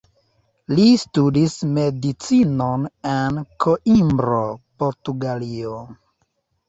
Li studis Medicinon en Koimbro, Portugalio.